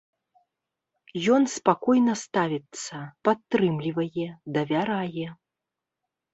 Ён спакойна ставіцца, падтрымлівае, давярае.